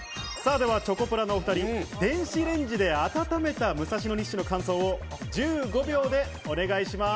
ではチョコプラのお２人、電子レンジで温めた武蔵野日誌の感想を１５秒でお願いします。